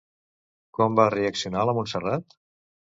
Com va reaccionar la Montserrat?